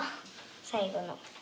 最後の。